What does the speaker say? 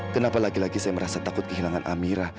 kenapa lagi lagi saya merasa takut kehilangan amirah